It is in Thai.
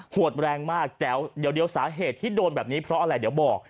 วดแรงมากแต่เดี๋ยวสาเหตุที่โดนแบบนี้เพราะอะไรเดี๋ยวบอก